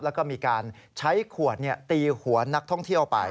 แล้วก็มีการใช้ขวดตีหัวนักท่องเที่ยวไป